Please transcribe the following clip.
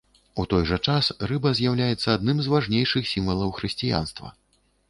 У той жа час рыба з'яўляецца адным з важнейшых сімвалаў хрысціянства.